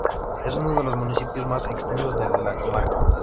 Es uno de los municipios más extensos de la comarca.